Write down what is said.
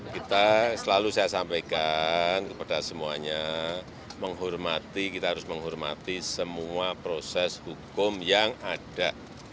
kita selalu saya sampaikan kepada semuanya kita harus menghormati semua proses hukum yang ada